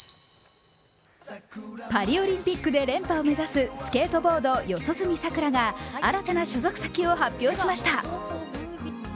パリオリンピックで連覇を目指すスケートボード、四十住さくらが新たな所属先を発表しました。